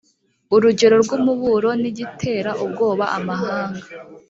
urugero rw umuburo n igitera ubwoba amahanga